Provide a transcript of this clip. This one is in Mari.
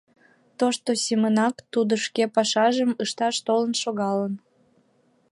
Тошто семынак тудо шке пашажым ышташ толын шогалын.